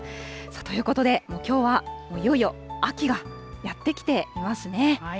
ということで、きょうは、いよいよ秋がやって来ていますね。